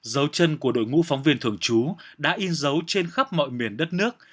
dấu chân của đội ngũ phóng viên thường trú đã in dấu trên khắp mọi miền đất nước